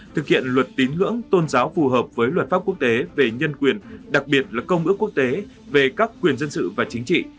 thực hiện luật tín ngưỡng tôn giáo phù hợp với luật pháp quốc tế về nhân quyền đặc biệt là công ước quốc tế về các quyền dân sự và chính trị